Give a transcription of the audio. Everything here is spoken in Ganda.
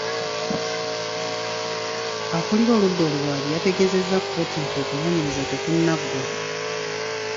Akulira oludda oluwaabi yategeezezza kkooti nti okunooyereza tekunnaggwa.